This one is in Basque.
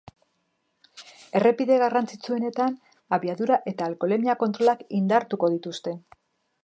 Errepide garrantzitsuenetan abiadura eta alkoholemia kontrolak indartuko dituzte.